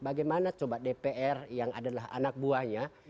bagaimana coba dpr yang adalah anak buahnya